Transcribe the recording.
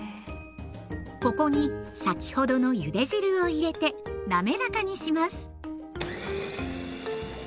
ここに先ほどのゆで汁を入れて滑らかにします。